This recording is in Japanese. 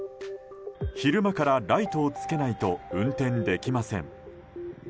昼間からライトをつけないと運転できません。